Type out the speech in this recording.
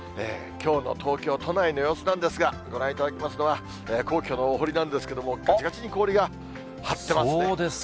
きょうの東京都内の様子なんですが、ご覧いただきますのは皇居のお堀なんですけれども、がちがちに氷が張ってますね。